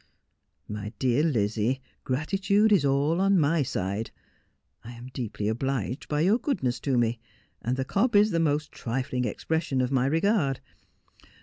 ' My dear Lizzie, gratitude is all on my side. I am deeply obliged by your goodness to me ; and the cob is the most trifling expression of my regard.